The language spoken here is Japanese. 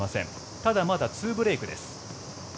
ただ、まだ２ブレークです。